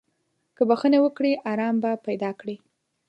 که بخښنه وکړې، ارام به پیدا کړې.